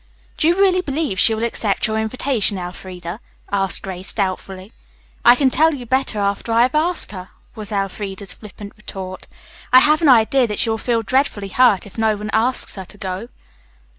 "Do you really believe she will accept your invitation, Elfreda?" asked Grace doubtfully. "I can tell you better after I have asked her," was Elfreda's flippant retort. "I have an idea that she will feel dreadfully hurt if no one asks her to go."